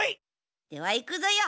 ではいくぞよ！